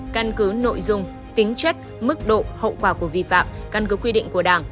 căn cứ nội dung tính chất mức độ hậu quả của vi phạm căn cứ quy định của đảng